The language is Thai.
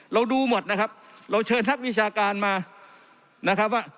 ดูหมดนะครับเราเชิญนักวิชาการมานะครับว่า